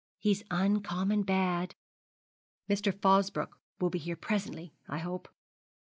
'He's uncommon bad.' 'Mr. Fosbroke will be here presently, I hope.'